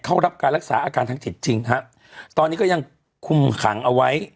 เข้ารับการรักษาอาการทางจิตจริงฮะตอนนี้ก็ยังคุมขังเอาไว้